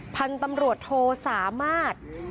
พันธุ์ตำรวจโทสามารถ